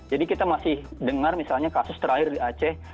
jadi kita masih dengar misalnya kasus terakhir di aceh